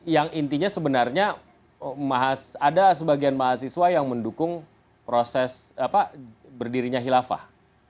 yang intinya sebenarnya mahasiswa ada sebagian mahasiswa yang mendukung proses apa berdirinya khilafah